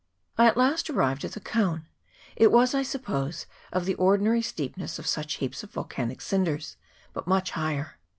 I at last arrived at the cone : it was, I suppose, of the ordinary steepness of such heaps of volcanic cinders, but much higher.